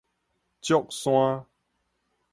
祝山